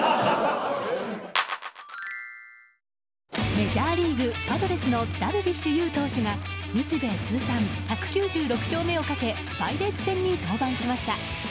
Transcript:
メジャーリーグ、パドレスのダルビッシュ有投手が日米通算１９６勝目をかけパイレーツ戦に登板しました。